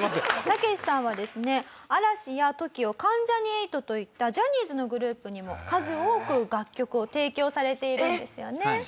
タケシさんはですね嵐やＴＯＫＩＯ関ジャニ∞といったジャニーズのグループにも数多く楽曲を提供されているんですよね。